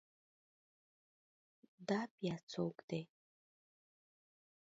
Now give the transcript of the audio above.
دا بیا څوک دی؟